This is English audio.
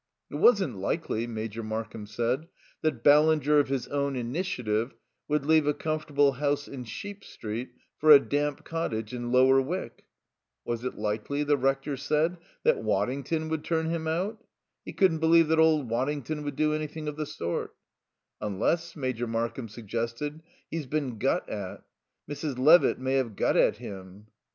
"It wasn't likely," Major Markham said, "that Ballinger, of his own initiative, would leave a comfortable house in Sheep Street for a damp cottage in Lower Wyck." "Was it likely," the Rector said, "that Waddington would turn him out?" He couldn't believe that old Waddington would do anything of the sort. "Unless," Major Markham suggested, "he's been got at. Mrs. Levitt may have got at him."